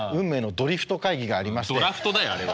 ドラフトだよあれ。